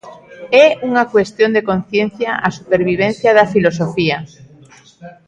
É unha cuestión de conciencia a supervivencia da Filosofía.